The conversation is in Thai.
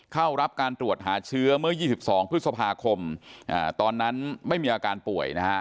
เข้ารับการตรวจหาเชื้อเมื่อ๒๒พฤษภาคมตอนนั้นไม่มีอาการป่วยนะฮะ